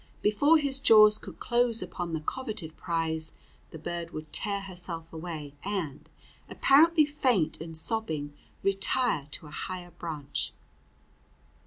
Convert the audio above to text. Before his jaws could close upon the coveted prize the bird would tear herself away, and, apparently faint and sobbing, retire to a higher branch.